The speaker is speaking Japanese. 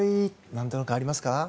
なんとなくありますか？